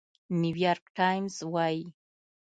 نيويارک ټايمز وايي،